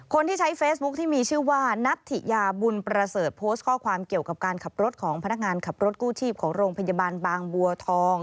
คนที่ใช้เฟซบุ๊คที่มีชื่อว่านัทธิยาบุญประเสริฐโพสต์ข้อความเกี่ยวกับการขับรถของพนักงานขับรถกู้ชีพของโรงพยาบาลบางบัวทอง